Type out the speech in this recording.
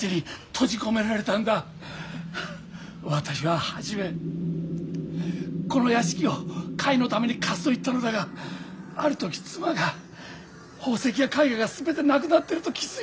私は初めこの屋敷を会のために貸すと言ったのだがある時妻が宝石や絵画が全てなくなってると気付いて。